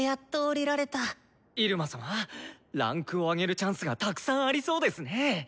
入間様位階を上げるチャンスがたくさんありそうですね！